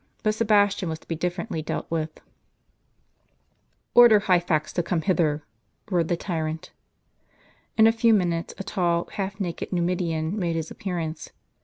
But Sebastian was to be differently dealt with. " Order Hyphax to come hither," roared the tyrant. In a few minutes, a tall, half naked Numidian made his appear ance.